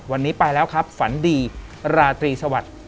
วันนี้ไปแล้วครับฝันดีราตรีสวัสดิ์